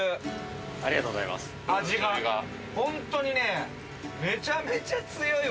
味がホントにね、めちゃめちゃ強いわ。